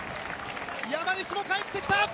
山西も帰ってきた！